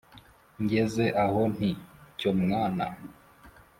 ngeze aho nti: “cyo mwana